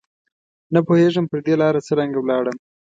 نه پوهېږم پر دې لاره څرنګه ولاړم